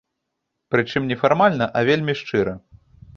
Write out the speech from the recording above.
Прычым не фармальна, а вельмі шчыра.